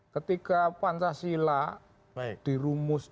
ketika pancasila dirumus